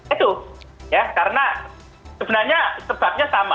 itu ya karena sebenarnya sebabnya sama